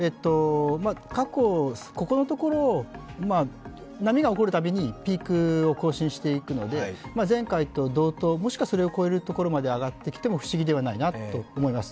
過去、ここのところ波が起こるたびにピークを更新していくので前回と同等、もしかするとそれを超えるところまでいっても不思議ではないなと思います。